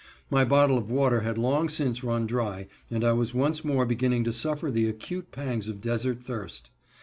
My bottle of water had long since run dry, and I was once more beginning to suffer the acute pangs of desert thirst.